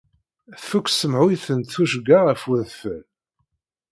Tfuk tsemhuyt n tuccga ɣef wedfel.